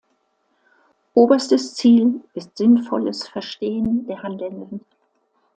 Oberstes Ziel ist sinnvolles Verstehen der Handelnden.